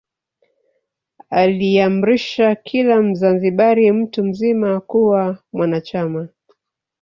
Aliamrisha kila Mzanzibari mtu mzima kuwa mwanachama